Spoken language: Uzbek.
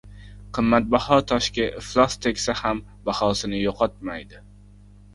• Qimmatbaho toshga iflos tegsa ham bahosini yo‘qotmaydi.